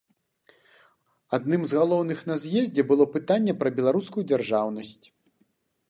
Адным з галоўных на з'ездзе было пытанне пра беларускую дзяржаўнасць.